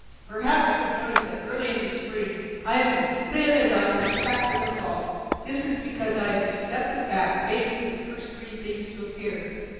Perhaps you have noticed that early in the spring I am as thin as I was fat in the fall. This is because I have used up the fat, waiting for the first green things to appear."